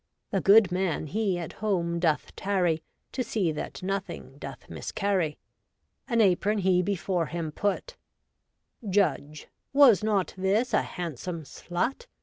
The good man he at home doth tarry. To see that nothing doth miscarry. An apron he before him put : Judge :— Was not this a handsome slut ?